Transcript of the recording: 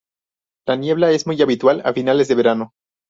La niebla es muy habitual a finales de verano.